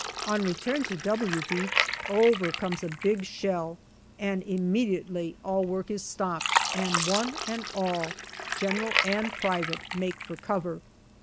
On return to " W " Beach, over comes a big shell, and immediately all work is stopped, and one and all, General and private, make for cover.